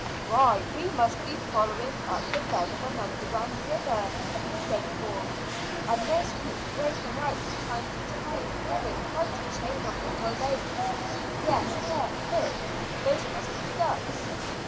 "Why, we must be following up the bed of an underground river," said Bourne, "and this keeps breaking out from time to time, forming quite a chain of little lakes. Yes, there, look; those must be ducks."